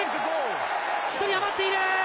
１人余っている。